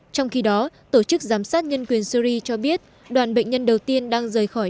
trong khi đó tổ chức giám sát nhân quyền syri cho biết đoàn bệnh nhân đầu tiên đang rời khỏi